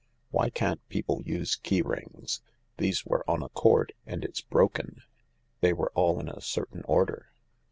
"Why can't people use key rings ? These were on a cord, and it's broken. They were all in a certain order.